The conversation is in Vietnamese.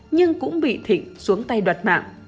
nhưng cũng bị thịnh xuống tay đoạt mạng